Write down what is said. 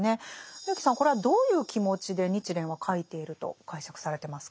植木さんこれはどういう気持ちで日蓮は書いていると解釈されてますか？